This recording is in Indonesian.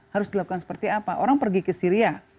harus dilakukan seperti apa orang pergi ke syria